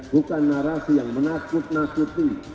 bukan narasi yang menakut nakuti